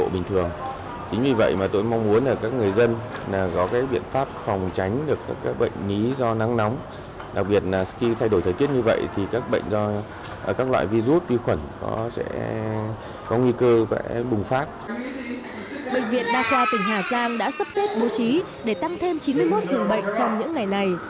bệnh viện đa khoa tỉnh hà giang đã sắp xếp bố trí để tăng thêm chín mươi một dường bệnh trong những ngày này